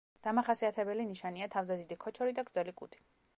დამახასიათებელი ნიშანია თავზე დიდი ქოჩორი და გრძელი კუდი.